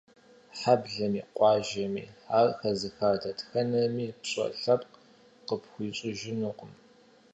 Хьэблэми, къуажэми, ар зэхэзыха дэтхэнэми пщӀэ лъэпкъ къыпхуищӀыжынукъым.